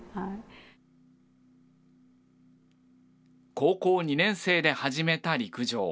高校２年生で始めた陸上。